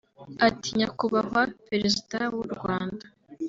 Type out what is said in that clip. Ati “Nyakubahwa Perezida w’u Rwanda